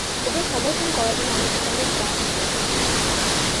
ওকে সমর্থন করার জন্য আমাকে অনেক দাম দিতে হয়েছে।